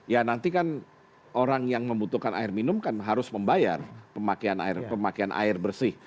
ya nanti kan orang yang membutuhkan air minum kan harus membayar pemakaian air bersih